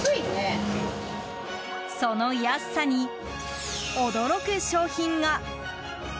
その安さに驚く商品が。